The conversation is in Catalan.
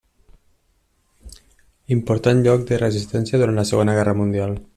Important lloc de resistència durant la Segona Guerra Mundial.